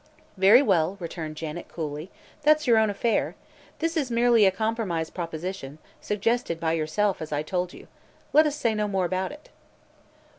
"Very well," returned Janet, coolly; "that's your own affair. This is merely a compromise proposition, suggested by yourself, as I told you. Let us say no more about it."